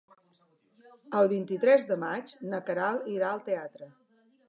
El vint-i-tres de maig na Queralt irà al teatre.